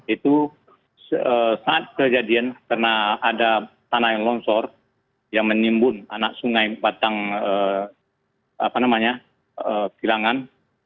itu saat kejadian karena ada tanah yang lonsor yang menimbul anak sungai batang apa namanya kilangan